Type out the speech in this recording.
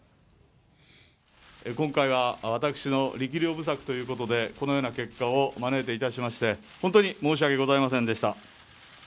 今回は私の力量不足ということで、このような結果を招いていたしまして、本当に申し訳ございません